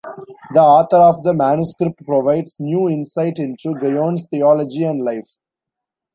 The author of the manuscript provides new insight into Guyon's theology and life.